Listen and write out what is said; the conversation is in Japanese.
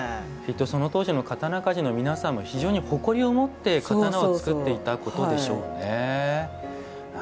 当時の刀鍛冶の皆さんも誇りを持って刀を作っていたことでしょうね。